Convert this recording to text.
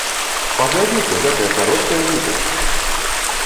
Паглядзіце гэтае кароткае відэа!